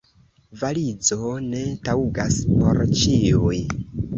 Valizo ne taŭgas por ĉiuj.